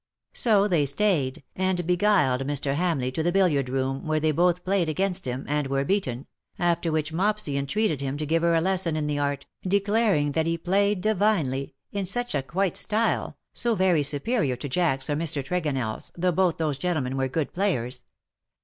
So they stayed, and beguiled Mr. Hamleigh to the billiard room, where they both played against him, and were beaten — after which Mopsy entreated him to give her a lesson in the art, declaring that he played divinely — in such a quite style — so very superior to Jack's or Mr. Tregonell's, though l)()tli those gentlemen were good players.